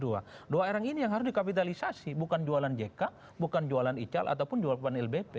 dua orang ini yang harus dikapitalisasi bukan jualan jk bukan jualan ical ataupun jualan lbp